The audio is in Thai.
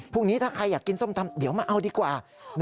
พรุ่งนี้ถ้าใครอยากกินส้มตำเดี๋ยวมาเอาดีกว่า